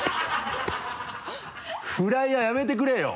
フライはやめてくれよ。